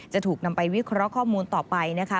จะถูกนำไปวิเคราะห์ข้อมูลต่อไปนะคะ